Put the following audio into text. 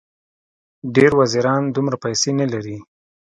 ډېر وزیران دومره پیسې نه لري.